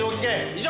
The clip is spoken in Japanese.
以上！